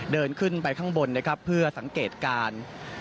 เดินขึ้นไปข้างบนนะครับเพื่อสังเกตการ